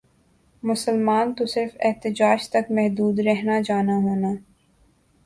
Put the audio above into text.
مسلمان تو صرف احتجاج تک محدود رہنا جانا ہونا